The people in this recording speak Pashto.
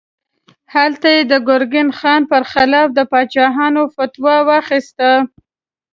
هلته یې د ګرګین خان پر خلاف د پاڅون فتوا واخیسته.